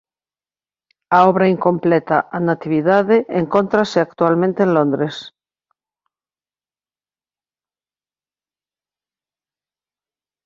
A obra incompleta "A Natividade" encóntrase actualmente en Londres.